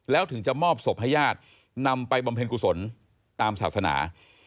แล้วถึงจะมอบศพให้ญาตินำไปบำเพ็ญกุศลตามศาสนา